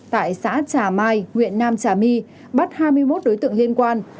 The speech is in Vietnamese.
tại xã trà mai huyện nam trà my bắt hai mươi một đối tượng liên quan